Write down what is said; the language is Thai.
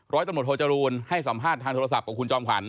ร้อยตำรวจโทจรูลให้สัมภาษณ์ทางโทรศัพท์กับคุณจอมขวัญ